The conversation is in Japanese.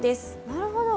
なるほど。